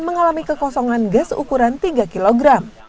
mengalami kekosongan gas ukuran tiga kg